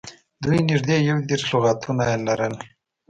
دوی نږدې یو دېرش لغاتونه یې لرل